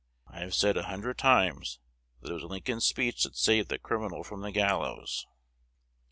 I have said a hundred times that it was Lincoln's speech that saved that criminal from the gallows."